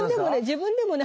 自分でもね